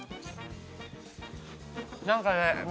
何かね